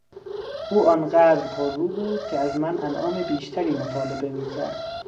او آن قدر پررو بود که از من انعام بیشتری مطالبه میکرد!